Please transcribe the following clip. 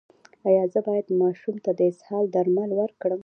ایا زه باید ماشوم ته د اسهال درمل ورکړم؟